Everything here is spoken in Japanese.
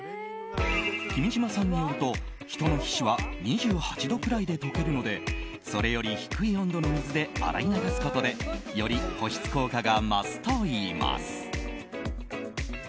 君島さんによると、人の皮脂は２８度くらいで溶けるのでそれより低い温度の水で洗い流すことでより保湿効果が増すといいます。